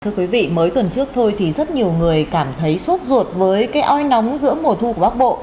thưa quý vị mới tuần trước thôi thì rất nhiều người cảm thấy xúc ruột với cái oi nóng giữa mùa thu của bắc bộ